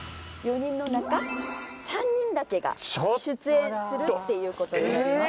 ４人の中３人だけが出演するっていうことになります。